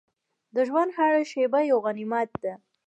د ژوند هره شېبه یو غنیمت ده.